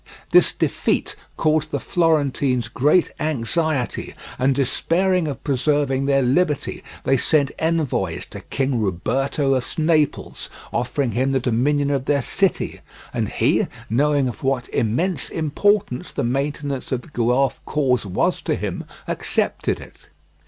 This defeat caused the Florentines great anxiety, and despairing of preserving their liberty, they sent envoys to King Ruberto of Naples, offering him the dominion of their city; and he, knowing of what immense importance the maintenance of the Guelph cause was to him, accepted it.